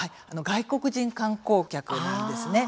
外国人観光客なんです。